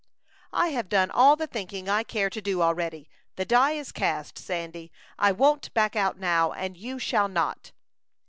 "I have done all the thinking I care to do already. The die is cast, Sandy. I won't back out now, and you shall not."